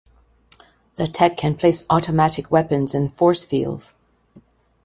The Tech can place automatic weapons and force fields.